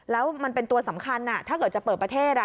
แล้วมันเป็นตัวสำคัญถ้าเกิดจะเปิดประเทศ